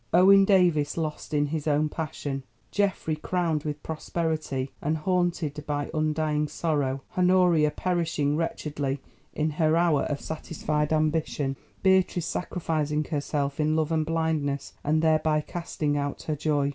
Owen Davies lost in his own passion; Geoffrey crowned with prosperity and haunted by undying sorrow; Honoria perishing wretchedly in her hour of satisfied ambition; Beatrice sacrificing herself in love and blindness, and thereby casting out her joy.